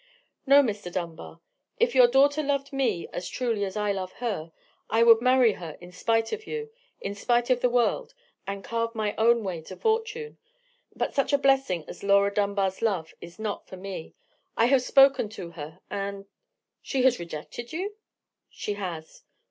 "No, Mr. Dunbar. If your daughter loved me as truly as I love her, I would marry her in spite of you—in spite of the world; and carve my own way to fortune. But such a blessing as Laura Dunbar's love is not for me. I have spoken to her, and——" "She has rejected you?" "She has."